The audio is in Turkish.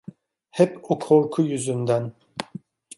Hep o korku yüzünden.